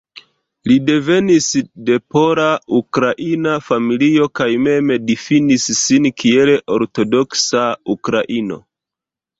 Li devenis de pola-ukraina familio kaj mem difinis sin kiel "ortodoksa ukraino".